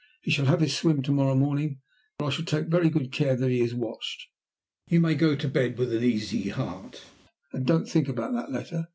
He shall have his swim to morrow morning, but I shall take very good care that he is watched. You may go to bed with an easy heart, and don't think about that letter.